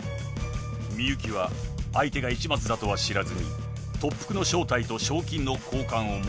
［深雪は相手が市松だとは知らずに特服の正体と賞金の交換を持ち掛ける］